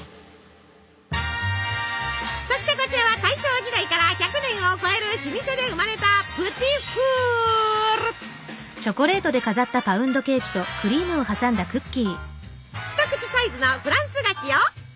そしてこちらは大正時代から１００年を超える老舗で生まれた一口サイズのフランス菓子よ。